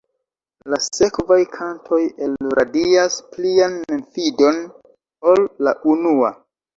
La sekvaj kantoj elradias plian memfidon, ol la unua.